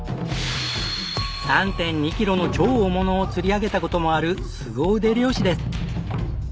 ３．２キロの超大物を釣り上げた事もある凄腕漁師です。